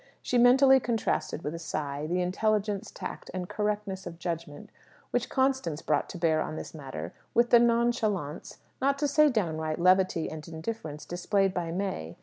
She mentally contrasted with a sigh the intelligence, tact, and correctness of judgment which Constance brought to bear on this matter, with the nonchalance not to say downright levity and indifference displayed by May.